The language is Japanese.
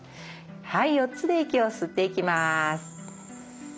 はい４つで息を吸っていきます。